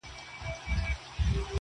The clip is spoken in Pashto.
دا هم د ښکلا يوه څپه ښکاري